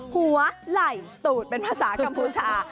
หัวไหล่ตูดเป็นภาษากัมพูชา